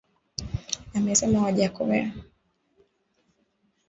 amesema Wajackoya